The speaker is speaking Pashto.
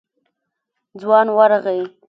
ځوان ورغی.